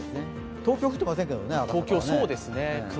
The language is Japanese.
東京降ってませんけどね、赤坂は。